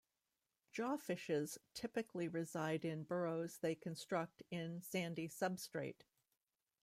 Jawfishes typically reside in burrows they construct in sandy substrate.